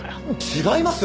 違います！